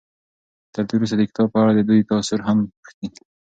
تر دې وروسته د کتاب په اړه د دوی تأثر هم پوښتئ.